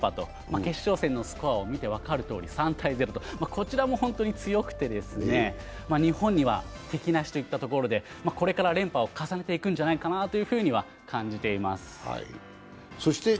決勝戦のスコアを見て分かるとおり、３−０と、こちらも本当に強くて、日本には敵なしといったところでこれから連覇を重ねていくんじゃないかなと感じています。